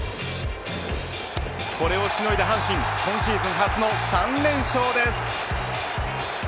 これをしのいだ阪神今シーズン初の３連勝です。